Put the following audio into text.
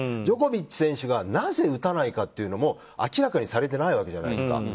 ジョコビッチ選手がなぜ打たないかというのも明らかにされてないわけじゃないですか。